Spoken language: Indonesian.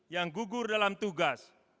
yang gugur dalam tugas